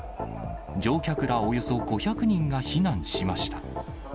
乗客らおよそ５００人が避難しました。